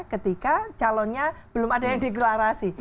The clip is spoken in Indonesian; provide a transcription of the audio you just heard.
ketika calonnya belum ada yang deklarasi